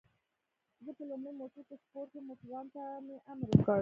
زه په لومړي موټر کې سپور شوم، موټروان ته مې امر وکړ.